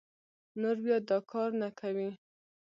نور بيا دا کار نه کوي